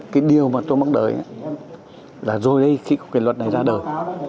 cái điều mà tôi mong đợi là rồi đây khi có cái luật này ra đời